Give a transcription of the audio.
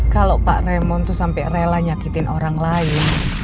kalau pak raymond tuh sampai rela nyakitin orang lain